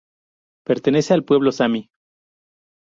Pertenece al pueblo sami.